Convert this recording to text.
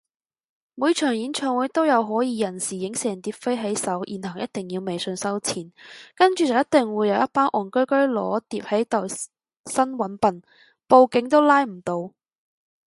每場演唱會都有可疑人士影成疊飛喺手然後一定要微信收錢，跟住就一定會有一班戇居居落疊喺度呻搵笨，報警都拉唔到